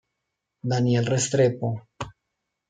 Daniel Restrepo.